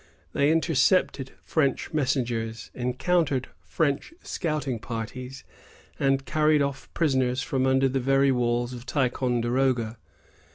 They intercepted French messengers, encountered French scouting parties, and carried off prisoners from under the very walls of Ticonderoga.